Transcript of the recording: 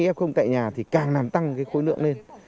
nếu không tại nhà thì càng nằm tăng cái khối lượng lên